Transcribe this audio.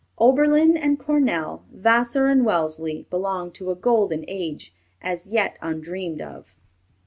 Oberlin and Cornell, Vassar and Wellesley, belonged to a golden age as yet undreamed of.